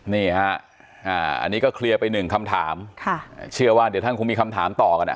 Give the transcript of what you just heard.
นี่ฮะอ่าอันนี้ก็เคลียร์ไปหนึ่งคำถามค่ะเชื่อว่าเดี๋ยวท่านคงมีคำถามต่อกันอ่ะ